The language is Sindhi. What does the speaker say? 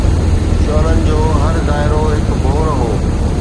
شعلن جو هر دائرو هڪ ڀور هو